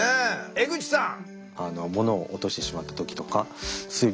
江口さん。